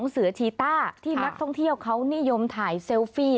เสือชีต้าที่นักท่องเที่ยวเขานิยมถ่ายเซลฟี่